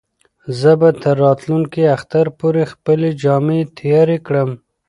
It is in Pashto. زه به تر راتلونکي اختر پورې خپلې جامې تیارې کړم.